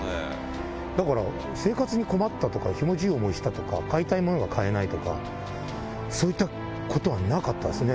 だから生活に困ったとか、ひもじい思いしたとか、買いたい物が買えないとか、そういったことはなかったですね。